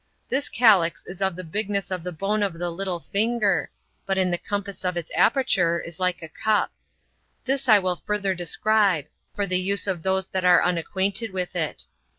This calyx is of the bigness of the bone of the little finger, but in the compass of its aperture is like a cup. This I will further describe, for the use of those that are unacquainted with it.